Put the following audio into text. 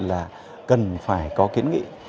là cần phải có kiến nghị